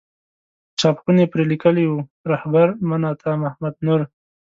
چاپ خونې پرې لیکلي وو رهبر من عطا محمد نور.